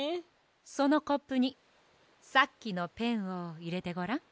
そのコップにさっきのペンをいれてごらん。